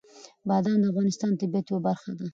بادام د افغانستان د طبیعت یوه برخه ده.